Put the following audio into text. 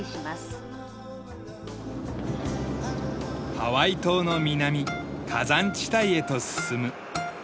ハワイ島の南火山地帯へと進む。